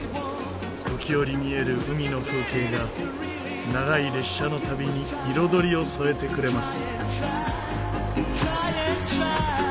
時折見える海の風景が長い列車の旅に彩りを添えてくれます。